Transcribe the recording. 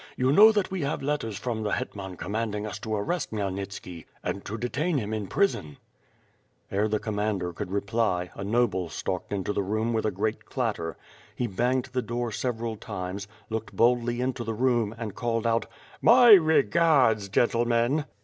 You know that we have letters from the Hetman commanding us to arrest Khmyelnitski and to detain him in prison." Ere the commander could reply a noble stalked into the room with a great clatter. He banged the door several times, looked boldly into the room, and called out: "My regards, gentlemen/' 20 ^ITH FIRE AND SWORD.